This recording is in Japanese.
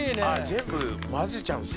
全部混ぜちゃうんですね。